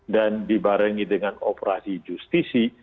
dan dibarengi dengan operasi justisi